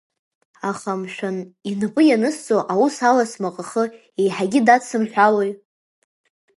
Аха, мшәан, инапы ианысҵо аус ала смаҟахы еиҳагьы дадсымҳәалои?